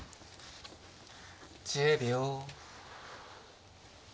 １０秒。